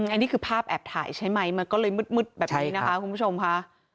อันนี้คือภาพแอบถ่ายใช่ไหมมันก็เลยมืดแบบนี้นะคะคุณผู้ชมค่ะ